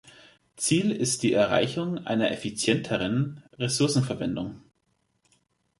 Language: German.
Ziel ist die Erreichung einer effizienteren Ressourcenverwendung.